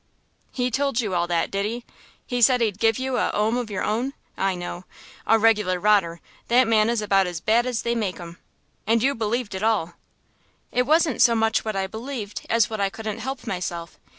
"He told you all that, did he? He said he'd give you a 'ome of your own, I know. A regular rotter; that man is about as bad as they make 'em. And you believed it all?" "It wasn't so much what I believed as what I couldn't help myself.